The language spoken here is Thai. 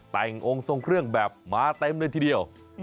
แต่งองค์ทรงเครื่องแบบมาเต็มเลยทีเดียว